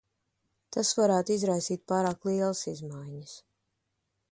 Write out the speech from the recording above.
Tas varētu izraisīt pārāk lielas izmaiņas.